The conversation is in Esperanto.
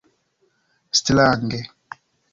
Strange.